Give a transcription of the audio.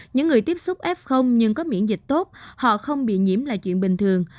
những người tiếp xúc f nhưng có miễn dịch tốt họ không bị nhiễm là chuyện bình thường